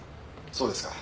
そうですか。